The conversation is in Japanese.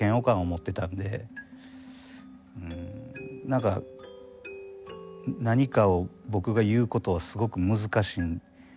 うん何か何かを僕が言うことはすごく難しいんですよね。